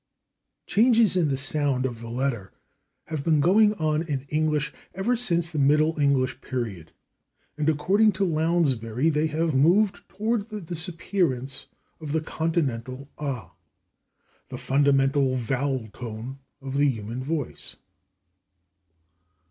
Changes in the sound of the letter have been going on in English ever since the Middle English period, and according to Lounsbury they have moved toward the disappearance of the Continental /a/, "the fundamental vowel tone of the human voice."